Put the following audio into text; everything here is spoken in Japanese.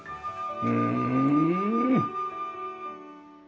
うん！